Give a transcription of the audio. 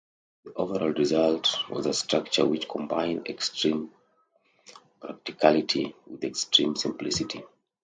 The overall result was a structure which combined extreme practicality with extreme simplicity.